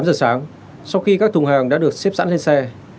tám giờ sáng sau khi các thùng hàng đã được xếp sẵn lên xe